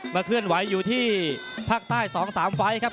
แล้วเคลื่อนไหวอยู่ในภาคใต้๒๓ไฟต์ครับ